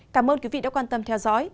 cảm ơn quý vị đã quan tâm theo dõi